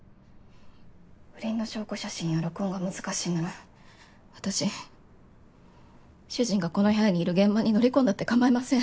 不倫の証拠写真や録音が難しいなら私主人がこの部屋にいる現場に乗り込んだって構いません。